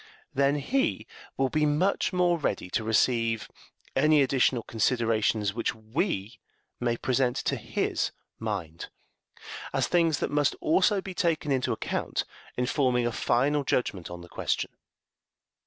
Then he will be much more ready to receive any additional considerations which we may present to his mind, as things that must also be taken into account in forming a final judgment on the question.